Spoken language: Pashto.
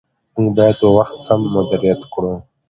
موږ باید وخت سم مدیریت کړو